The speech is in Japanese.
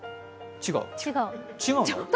違うの？